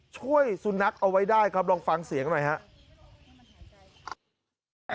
ช่วยสุนัขเอาไว้ได้ครับลองฟังเสียงหน่อยครับ